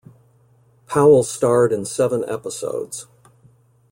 Powell starred in seven episodes.